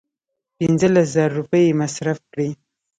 پنځه لس زره روپۍ یې مصرف کړې.